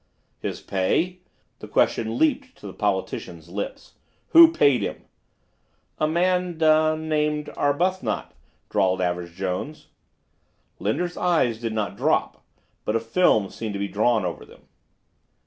"His pay?" The question leaped to the politician's lips. "Who paid him?" "A man—named—er—Arbuthnot," drawled Average Jones. Linder's eyes did not drop, but a film seemed to be drawn over them.